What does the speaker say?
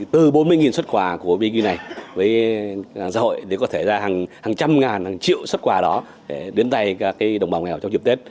từ bốn mươi xuất quả của bidv này với hàng xã hội có thể ra hàng trăm ngàn hàng triệu xuất quả đó để đến tay các đồng bào nghèo trong dịp tết